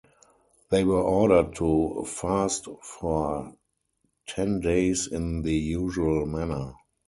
They were ordered to fast for ten days in the usual manner.